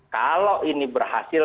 kalau ini berhasil